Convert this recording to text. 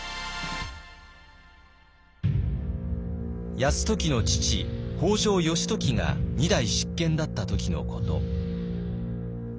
泰時の父北条義時が２代執権だった時のこと。